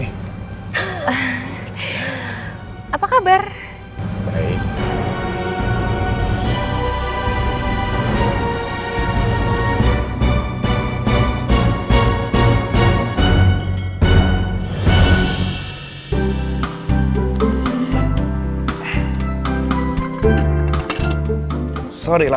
gak ada sejarah yang gue lupain